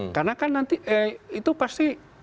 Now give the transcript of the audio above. karena kan nanti ya itu pasti akan ada